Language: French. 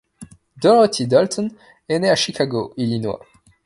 Dorothy Dalton est née à Chicago, Illinois.